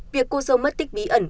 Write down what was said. việc cô dâu mất tích bí ẩn